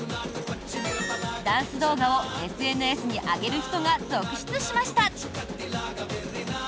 ダンス動画をＳＮＳに上げる人が続出しました。